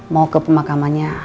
mau ke pemakamannya